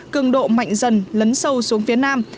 cường độ mạnh dần lấn sâu xuống phía nam